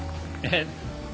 えっ？